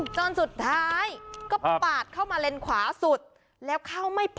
จนสุดท้ายก็ปาดเข้ามาเลนขวาสุดแล้วเข้าไม่เป็น